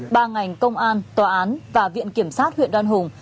ba ngành công an tòa án và viện kiểm sát huyện đoan hùng